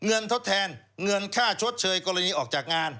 ทดแทนเงินค่าชดเชยกรณีออกจากงาน